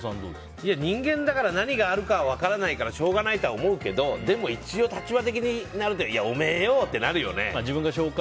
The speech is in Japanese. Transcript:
人間、何があるかは分からないからしょうがないとは思うけどでも一応、立場的におめえよってなるよね。